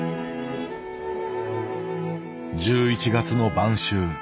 １１月の晩秋